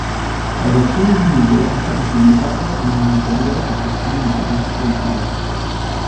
La versione in vinile è stata pubblicata con un'ulteriore copertina interna estraibile.